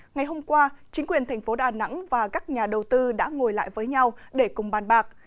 ngày hôm qua chính quyền thành phố đà nẵng và các nhà đầu tư đã ngồi lại với nhau để cùng bàn bạc